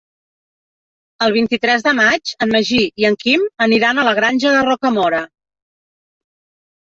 El vint-i-tres de maig en Magí i en Quim aniran a la Granja de Rocamora.